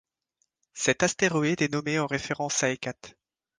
Cet astéroïde est nommé en référence à Hécate.